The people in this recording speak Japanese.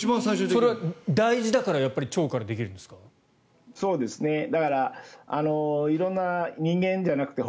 それは大事だから腸からできるんですか？